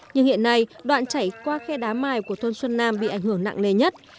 nhưng hiện nay đoạn chảy qua khe đá mài của thôn xuân nam bị ảnh hưởng nặng nề nhất